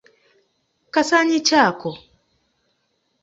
Kasaanyi ki ako?